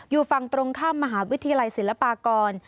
อยู่ฝั่งตรงข้ามมหาวิทยาลัยศิลปากร